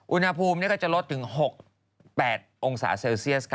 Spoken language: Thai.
อุณหภูมิก็จะลดถึง๖๘องศาเซลเซียส